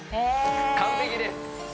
完璧です